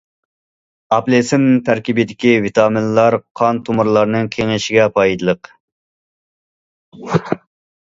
ئاپېلسىن تەركىبىدىكى ۋىتامىنلار قان تومۇرلارنىڭ كېڭىيىشىگە پايدىلىق.